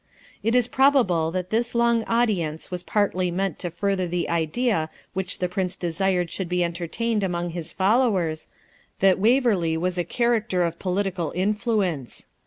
It is probable that this long audience was partly meant to further the idea which the Prince desired should be entertained among his followers, that Waverley was a character of political influence.